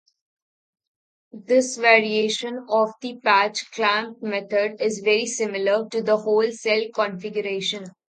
This variation of the patch clamp method is very similar to the whole-cell configuration.